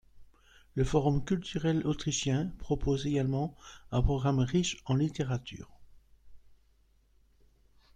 Le Forum culturel autrichien propose également un programme riche en littérature.